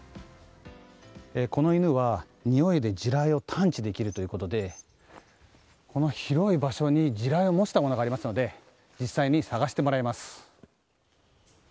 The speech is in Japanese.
この犬は、においで地雷を探知できるということでこの広い場所に地雷を模したものがありますので実際に探してもらいます。